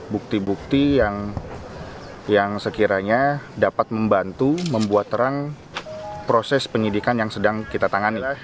bukti bukti yang sekiranya dapat membantu membuat terang proses penyidikan yang sedang kita tangani